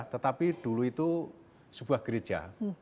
tetapi dulu itu sebuah gereja